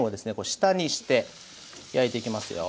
下にして焼いていきますよ。